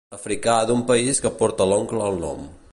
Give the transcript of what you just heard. Africà d'un país que porta l'oncle al nom.